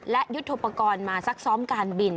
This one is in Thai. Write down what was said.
และยุทธโปรกรณ์มาซักซ้อมการบิน